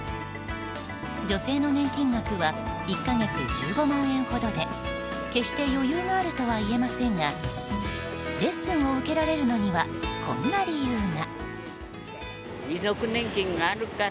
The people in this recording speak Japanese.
女性の年金額は１か月１５万円ほどで決して余裕があるとはいえませんがレッスンを受けられるのにはこんな理由が。